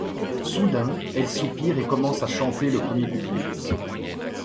Soudain, elle soupire et commence à chanter le premier couplet.